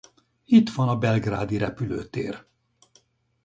Itt van a Belgrádi repülőtér.